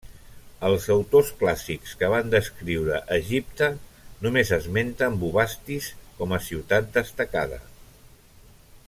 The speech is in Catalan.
Els autors clàssics que van descriure Egipte, només esmenten Bubastis com a ciutat destacada.